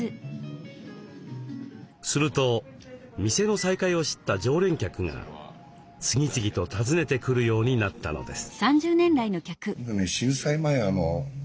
すると店の再開を知った常連客が次々と訪ねてくるようになったのです。